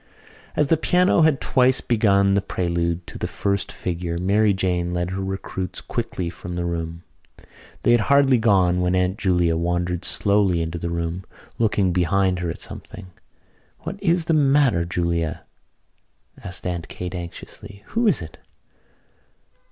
As the piano had twice begun the prelude to the first figure Mary Jane led her recruits quickly from the room. They had hardly gone when Aunt Julia wandered slowly into the room, looking behind her at something. "What is the matter, Julia?" asked Aunt Kate anxiously. "Who is it?"